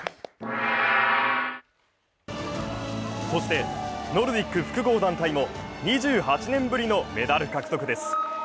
そしてノルディック複合団体も２８年ぶりのメダル獲得です。